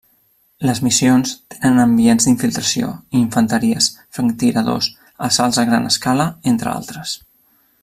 Les missions tenen ambients d'infiltració, infanteries, franctiradors, assalts a gran escala, entre altres.